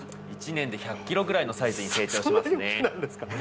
１年で１００キロぐらいのサイズに成長しますね。